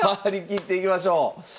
張り切っていきましょう！